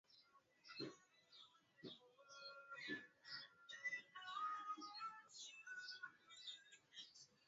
yanayo andaliwa nami pendo pondo idhaa ya kiswahili